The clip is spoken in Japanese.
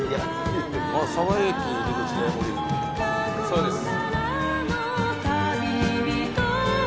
そうです。